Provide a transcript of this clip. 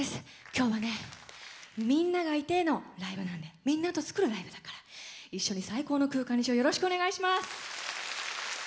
今日は、みんながいてのライブなんでみんなと作るライブだから一緒に最高の空間にしよう。